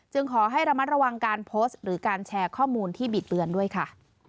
ขอให้ระมัดระวังการโพสต์หรือการแชร์ข้อมูลที่บิดเตือนด้วยค่ะ